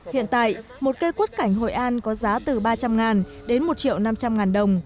hiện tại một cây quất cảnh hội an có giá từ ba trăm linh đến một năm trăm linh